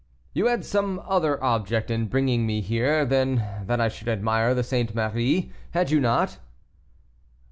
"You had some other object in bringing me here than that I should admire the St. Marie, had you not?"